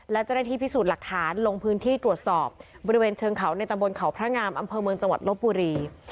และเจ้าหน้าที่พิสูจน์หลักฐานลงพื้นที่ตรวจสอบบริเวณเชิงเขาในตะบนเขาพระงามอำเภอเมืองจังหวัดลบบุรี